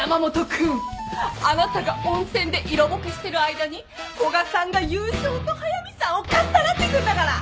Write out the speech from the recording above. あなたが温泉で色ぼけしてる間に古賀さんが優勝と速見さんをかっさらってくんだから！